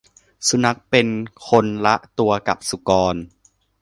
สุนัขเป็นคนละตัวกับสุกร